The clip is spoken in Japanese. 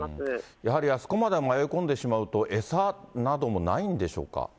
やはりあそこまで迷い込んでしまうと、餌などもないんでしょ